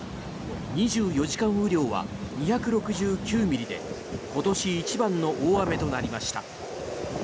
２４時間雨量は２６９ミリで今年一番の大雨となりました。